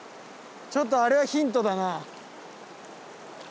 ちょっとあれはヒントだな。